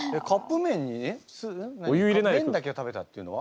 麺だけを食べたっていうのは？